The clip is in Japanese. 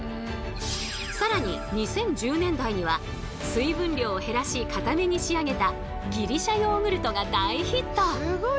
更に２０１０年代には水分量を減らしかために仕上げたギリシャヨーグルトが大ヒット。